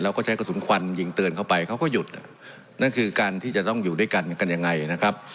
แล้วก็ใช้กระสุนควันยิงเตือนเข้าไปเขาก็หยุดนั่นคือการที่จะต้องอยู่ด้วยกันกันยังไงนะครับ